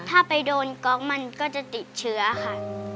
ถ้าไปโดนก๊อกมันก็จะติดเชื้อค่ะ